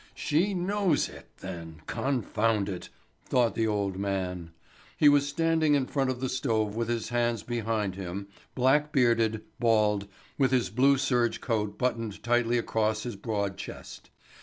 "She knows it, then, confound it!" thought the old man. He was standing in front of the stove with his hands behind him, black bearded, bald, with his blue serge coat buttoned tightly across his broad chest.